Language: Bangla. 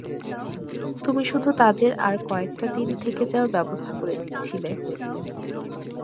তুমি শুধু তাদের আর কয়েকটাদিন থেকে যাওয়ার ব্যবস্থা করে দিচ্ছিলে।